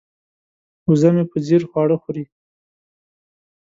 وزه مې په ځیر خواړه خوري.